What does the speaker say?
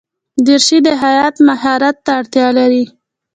دریشي د خیاط ماهرت ته اړتیا لري.